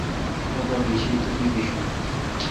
مہ پہ بشی تو دی بیشم۔